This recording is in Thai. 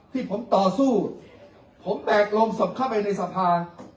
ที่ผมต่อสู้ผมแบกลงศพเข้าไปในสภา